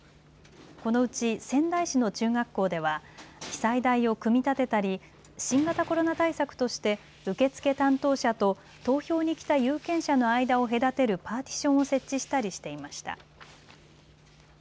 このうち仙台市の中学校では記載台を組み立てたり新型コロナ対策として受け付け担当者と投票に来た有権者の間を隔てるパーティションを設置したりしていました。